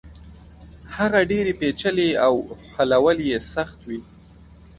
هغه ډېرې پېچلې او حلول يې سخت وي.